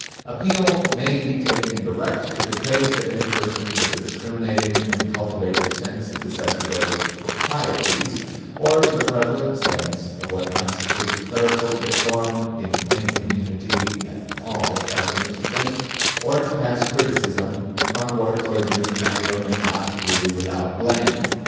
Appeal may be taken direct to the taste of any person with a discriminating and cultivated sense of the sacerdotal proprieties, or to the prevalent sense of what constitutes clerical decorum in any community at all accustomed to think or to pass criticism on what a clergyman may or may not do without blame.